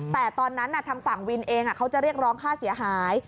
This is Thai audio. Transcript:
แต่ตอนนั้นทางฝั่งวินเองเขาจะเรียกร้องค่าเสียหาย